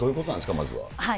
まずは。